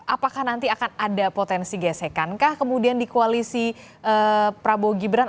apakah nanti akan ada potensi gesekankah kemudian di koalisi prabowo gibran